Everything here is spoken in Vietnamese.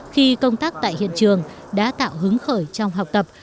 khi công tác tại hiện trường đã tạo hứng khởi trong học tập